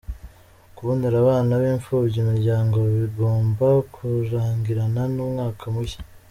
Kubonera abana b’imfubyi imiryango bigomba kurangirana n’umwaka mushya